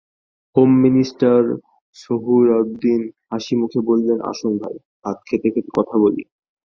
Home minister Chhadaruddin হাসিমুখে বললেন, আসুন ভাই, ভাত খেতে-খেতে কথা বলি।